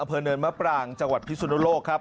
เนินมะปรางจังหวัดพิสุนโลกครับ